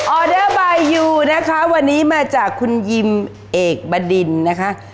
ออเดอร์บายยูนะคะวันนี้มาจากคุณยิมเอกบดินนะคะ